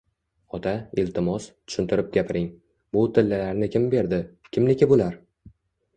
– Ota, iltimos, tushuntirib gapiring… Bu tillalarni kim berdi? Kimniki bular?